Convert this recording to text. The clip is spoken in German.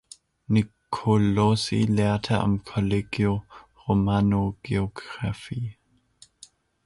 Nicolosi lehrte am Collegio Romano Geographie.